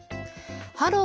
ハロー